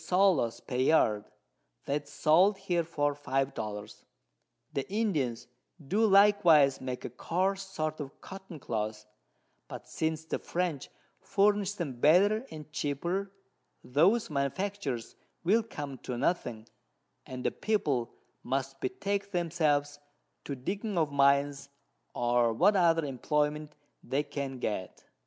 _ per Yard, that is sold here for 5 Dollars. The Indians do likewise make a coarse sort of Cotton Cloth; but since the French furnish them better and cheaper, those Manufactures will come to nothing, and the People must betake themselves to digging of Mines, or what other Imployment they can get.